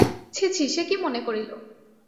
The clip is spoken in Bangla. ছি ছি, সে কী মনে করিল।